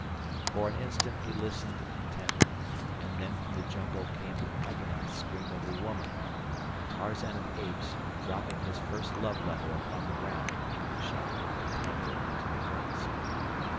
For an instant he listened intently, and then from the jungle came the agonized scream of a woman, and Tarzan of the Apes, dropping his first love letter upon the ground, shot like a panther into the forest.